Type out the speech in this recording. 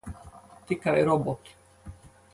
Tikai roboti.